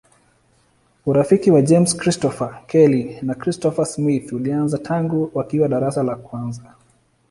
Urafiki wa James Christopher Kelly na Christopher Smith ulianza tangu wakiwa darasa la kwanza.